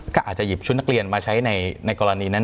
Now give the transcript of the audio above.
ก็อาจจะหยิบชุดนักเรียนมาใช้ในกรณีนั้น